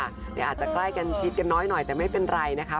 อาจจะใกล้กันชีวิตกันน้อยแต่ไม่เป็นไรนะครับ